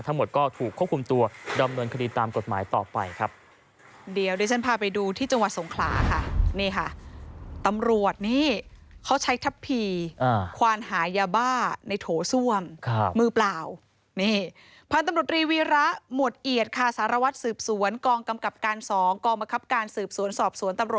ทั้งหมดก็ถูกควบคุมตัวดำเนินคดีตามกฎหมายต่อไปครับ